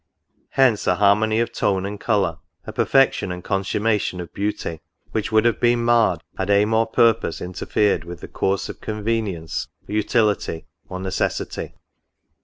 Hence a harmony of tone and colour, a per fection and consummation of beauty, which would have been marred had aim or purpose interfered with the course of convenience, utility, or necessity.